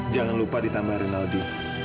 jangan lupa ditambah renaldi